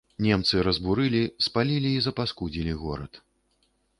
Немцы разбурылі, спалілі і запаскудзілі горад.